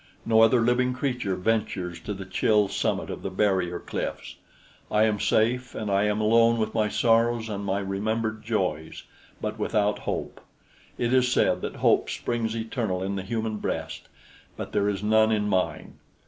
No other living creature ventures to the chill summit of the barrier cliffs. I am safe, and I am alone with my sorrows and my remembered joys but without hope. It is said that hope springs eternal in the human breast; but there is none in mine.